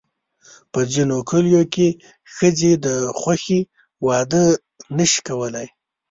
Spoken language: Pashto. په ځینو کلیو کې ښځې د خوښې واده نه شي کولی.